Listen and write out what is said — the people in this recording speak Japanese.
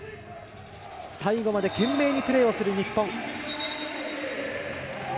最後まで懸命にプレーをする日本。